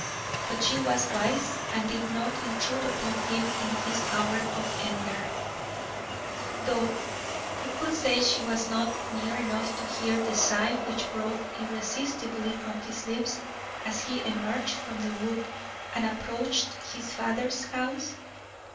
But she was wise, and did not intrude upon him in his hour of anger, though who could say she was not near enough to hear the sigh which broke irresistibly from his lips as he emerged from the wood and approached his father's house?